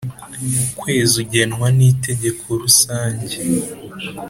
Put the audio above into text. kwezi ugenwa n Inteko Rusange